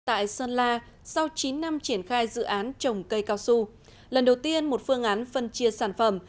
tại sơn la sau chín năm triển khai dự án trồng cây cao su lần đầu tiên một phương án phân chia sản phẩm